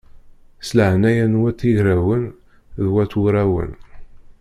S leɛnaya n wat yigrawen d wat wurawen!